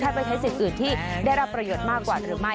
ถ้าไปใช้สิทธิ์อื่นที่ได้รับประโยชน์มากกว่าหรือไม่